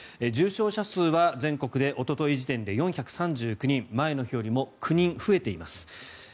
重症者数は全国でおととい時点で４３９人前の日よりも９人増えています。